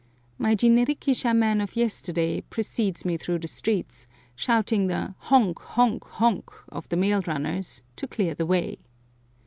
My jinrikisha man of yesterday precedes me through the streets, shouting the "honk, honk, honk." of the mail runners, to clear the way.